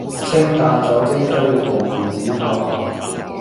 清淡酒蒸雞肉和梅子泡飯